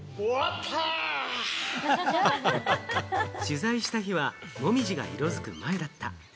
取材した日は、紅葉が色づく前だった。